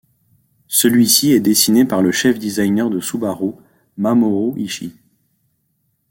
Celui-ci est dessiné par le chef designer de Subaru, Mamoru Ishii.